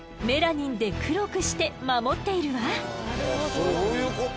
あそういうこと。